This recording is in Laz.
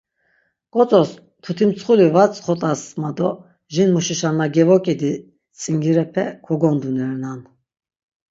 Gotzos, mtuti mtsxuli va tzxot̆as mado jin muşişa na gevok̆idi tzingirepe kogondunerenan.